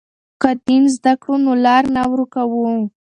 که دین زده کړو نو لار نه ورکوو.